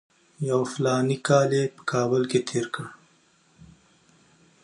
یو فلاني کال یې په کابل کې تېر کړ.